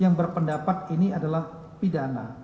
yang berpendapat ini adalah pidana